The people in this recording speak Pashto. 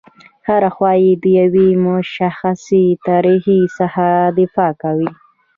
هره خوا یې د یوې مشخصې طرحې څخه دفاع کوي.